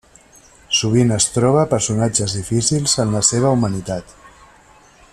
Sovint es troba personatges difícils en la seva humanitat.